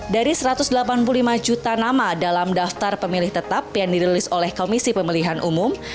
dari satu ratus delapan puluh lima juta nama dalam daftar pemilih tetap yang dirilis oleh komisi pemilihan umum